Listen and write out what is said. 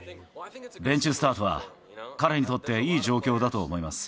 ベンチスタートは、彼にとっていい状況だと思います。